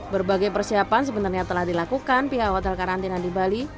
berbagai persiapan sebenarnya telah dilakukan pihak hotel karantina di bali